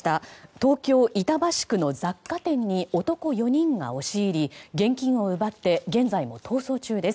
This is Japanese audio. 東京・板橋区の雑貨店に男４人が押し入り現金を奪って現在も逃走中です。